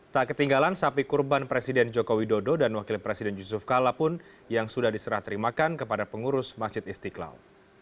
tak ketinggalan sapi kurban presiden joko widodo dan wakil presiden yusuf kala pun yang sudah diserah terimakan kepada pengurus masjid istiqlal